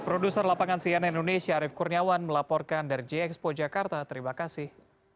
produser lapangan cnn indonesia arief kurniawan melaporkan dari j expo jakarta terima kasih